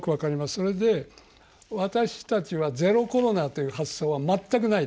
それで私たちはゼロコロナという発想は全くないです。